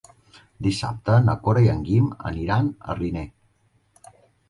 Dissabte na Cora i en Guim aniran a Riner.